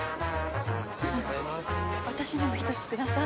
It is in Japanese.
私にも１つください。